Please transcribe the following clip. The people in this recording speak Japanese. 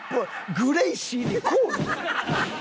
グレイシーにこう。